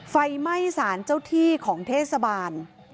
ไฟไหม้สารเจ้าที่ของเทศบาล